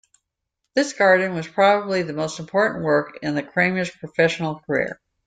This garden was probably the most important work in Cramer's professional career.